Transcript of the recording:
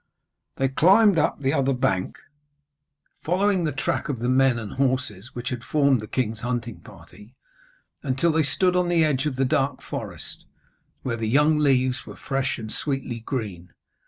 They climbed up the other bank, following the track of the men and horses which had formed the king's hunting party, until they stood on the edge of the dark forest, where the young leaves were fresh and sweetly green.